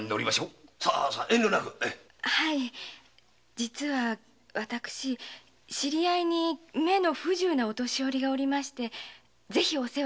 実は私知り合いに目の不自由なお年寄りがおりましてぜひお世話したいのですが。